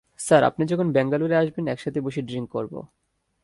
Sir, আপনি যখন ব্যাঙ্গালোরে আসবেন একসাথে বসে ড্রিংক করবো।